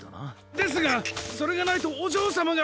ですがそれがないとおじょうさまが。